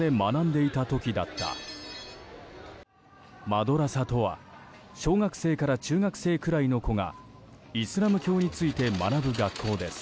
マドラサとは小学生から中学生ぐらいの子がイスラム教について学ぶ学校です。